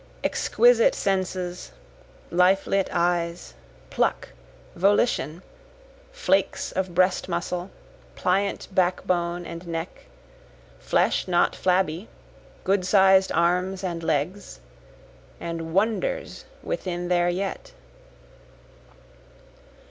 Exquisite senses, life lit eyes, pluck, volition, Flakes of breast muscle, pliant backbone and neck, flesh not flabby, good sized arms and legs, And wonders within there yet.